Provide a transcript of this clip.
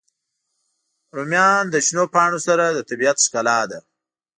رومیان له شنو پاڼو سره د طبیعت ښکلا ده